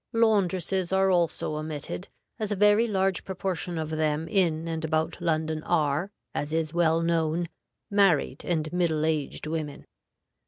Laundresses are also omitted, as a very large proportion of them in and about London are, as is well known, married and middle aged women.